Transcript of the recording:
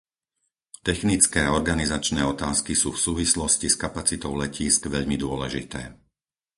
Technické a organizačné otázky sú v súvislosti s kapacitou letísk veľmi dôležité.